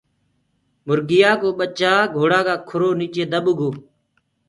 مرگيآ ڪو ٻچآ گھوڙآ ڪآ کُرو نيچي دٻگو۔